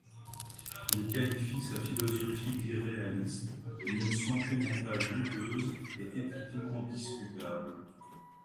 Il qualifie sa philosophie d'irréaliste, d'une santé mentale douteuse et éthiquement discutable.